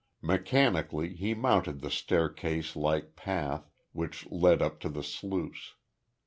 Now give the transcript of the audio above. Mechanically he mounted the staircase like path which led up to the sluice.